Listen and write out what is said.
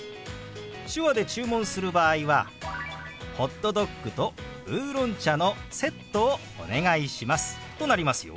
手話で注文する場合は「ホットドッグとウーロン茶のセットをお願いします」となりますよ。